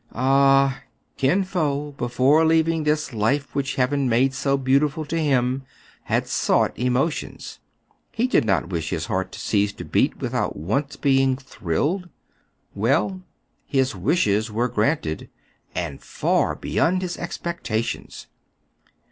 Ah ! Kin Fo, before leaving this life which heaven made so beautiful to him, had sought emotions. He did not wish his heart to cease to beat without once being thrilled. Well, his wishes were granted, and far beyond his expecta tions.